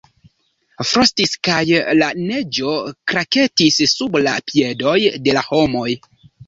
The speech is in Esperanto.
Frostis kaj la neĝo kraketis sub la piedoj de la homoj.